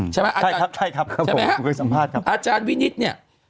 ใช่ไหมอาจารย์วิกนิสเนี่ย